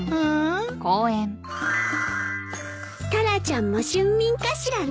タラちゃんも春眠かしらね。